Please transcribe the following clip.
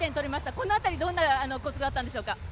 この辺りどんなコツがあったんでしょうか。